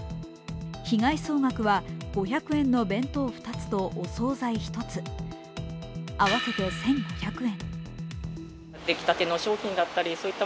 被害総額は５００円の弁当２つとお総菜１つ合わせて１５００円。